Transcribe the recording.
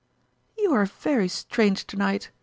" You are very strange to night